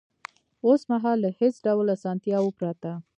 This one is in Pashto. اوس مهال له هېڅ ډول اسانتیاوو پرته